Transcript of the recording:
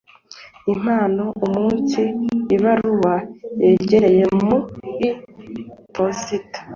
Impamo umunsi ibaruwa yagereye muri posita